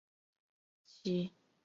其为人乐善好施。